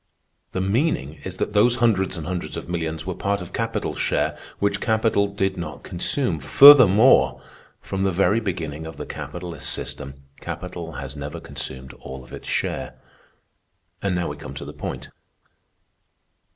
The meaning is that those hundreds and hundreds of millions were part of capital's share which capital did not consume. Furthermore, from the very beginning of the capitalist system, capital has never consumed all of its share. "And now we come to the point.